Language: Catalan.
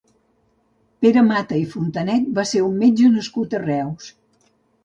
Pere Mata i Fontanet va ser un metge nascut a Reus.